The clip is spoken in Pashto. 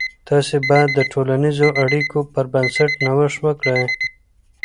تاسې باید د ټولنیزو اړیکو پر بنسټ نوښت وکړئ.